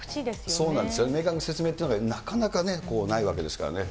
そうなんですよね、明確な説明っていうのがなかなかね、ないわけですからね。